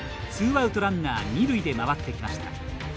ツーアウト、ランナー、二塁で回ってきました。